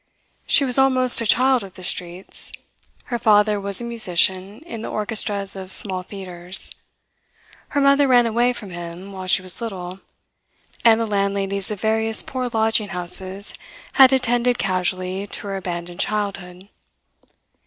She was almost a child of the streets. Her father was a musician in the orchestras of small theatres. Her mother ran away from him while she was little, and the landladies of various poor lodging houses had attended casually to her abandoned childhood.